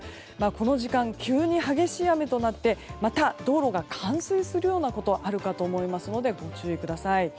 この時間、急に激しい雨となってまた道路が冠水するようなことがあるかと思いますのでご注意ください。